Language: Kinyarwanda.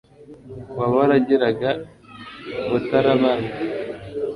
waba waragiraga mutarabana